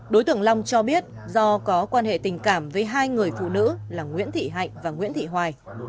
đối tượng long cho biết do có quan hệ tình cảm với hai người phụ nữ là nguyễn thị hạnh và nguyễn thị hoài